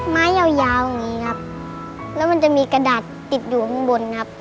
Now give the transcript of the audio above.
ไม้ยาวยาวอย่างนี้ครับแล้วมันจะมีกระดาษติดอยู่ข้างบนครับ